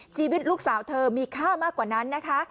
ชีวิตลูกสาวเธอมีค่ามากกว่านั้นนะคะ